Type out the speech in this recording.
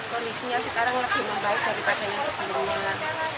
kondisinya sekarang lebih membaik daripada yang sebelumnya